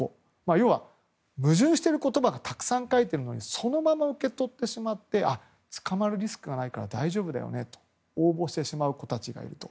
要は、矛盾している言葉がたくさん書いてあるのにそのまま受け取ってしまって捕まるリスクがないから大丈夫だよねと応募してしまう子たちがいると。